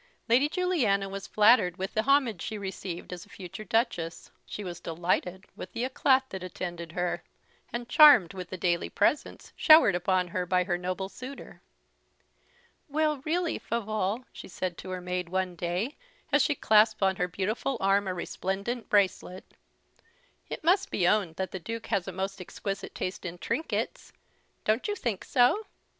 Lady Juliana was flattered with the homage she received as a future Duchess; she was delighted with the éclat that attended her, and charmed with the daily presents showered upon her by her noble suitor. "Well, really, Favolle," said she to her maid, one day, as she clasped on her beautiful arm a resplendent bracelet, "it must be owned the Duke has a most exquisite taste in trinkets; don't you think so?